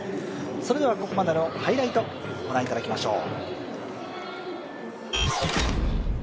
ここまでのハイライトご覧いただきましょう。